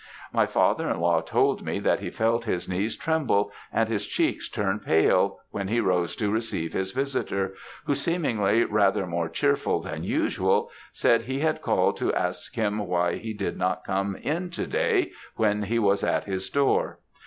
"My father in law told me that he felt his knees tremble, and his cheek turn pale, when he rose to receive his visitor, who seemingly rather more cheerful than usual, said he had called to ask him why he did not come in to day, when he was at his door.